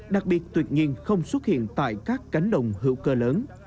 đặc biệt tuyệt nhiên không xuất hiện tại các cánh đồng hữu cơ lớn